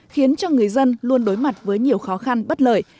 khiến cho người dân luôn đối mặt với nhiều khó khăn bất lợi